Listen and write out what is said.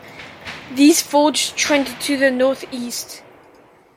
These folds trend to the northeast.